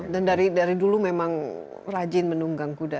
dan dari dulu memang rajin menunggang kuda